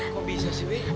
kok bisa sih wi